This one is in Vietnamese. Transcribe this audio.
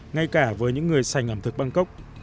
ngay cả với những người sành ẩm thực bangkok